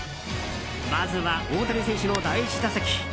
まずは大谷選手の第１打席。